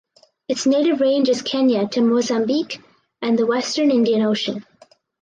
Its native range is Kenya to Mozambique and the Western Indian Ocean.